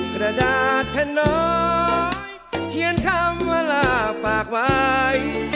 กระดาษแผ่นน้อยเขียนคำว่าลาฝากไว้